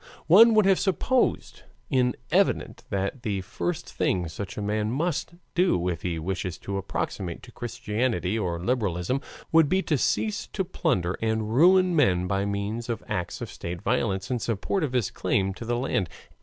One would have supposed it evident that the first thing such a man must do, if he wishes to approximate to Christianity or liberalism, would be to cease to plunder and ruin men by means of acts of state violence in support of his claim to the land.